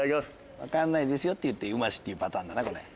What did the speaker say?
「分かんない」って言って「うまし」って言うパターンだな。